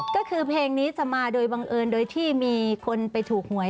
ก็คือเพลงนี้จะมาโดยบังเอิญโดยที่มีคนไปถูกหวย